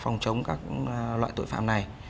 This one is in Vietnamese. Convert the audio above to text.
phòng chống các loại tội phạm này